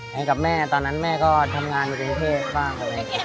แม่กับแม่ตอนนั้นแม่ก็ทำงานอยู่ตรงเทศบ้าง